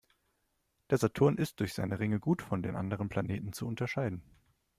Der Saturn ist durch seine Ringe gut von den anderen Planeten zu unterscheiden.